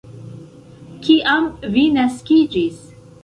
Kiam vi naskiĝis?